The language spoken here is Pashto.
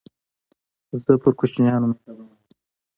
زه پر کوچنيانو مهربانه يم.